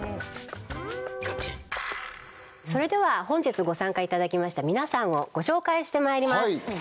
本日ご参加いただきました皆さんをご紹介してまいります